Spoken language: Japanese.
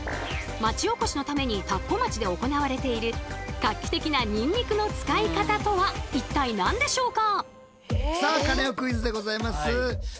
町おこしのために田子町で行われている画期的なニンニクの使い方とは一体何でしょうか？